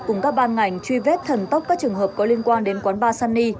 cùng các ban ngành truy vết thần tốc các trường hợp có liên quan đến quán ba sunny